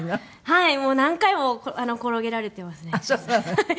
はいもう何回も転げられてますね。